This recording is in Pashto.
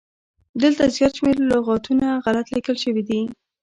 دلته زيات شمېر لغاتونه غلت ليکل شوي